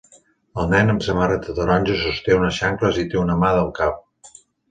El nen amb samarreta taronja sosté unes xancles i té una mà al cap.